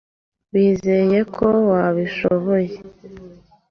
wizeye ko wabishoboye